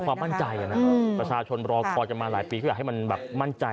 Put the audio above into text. ความมั่นใจนะครับประชาชนรอคอยกันมาหลายปีก็อยากให้มันแบบมั่นใจ